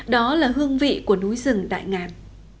đó là hương vị của núi rừng đại ngàn